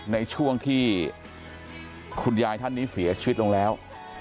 ในช่วงที่คุณยายท่านนี้เสียชีวิตลงแล้ว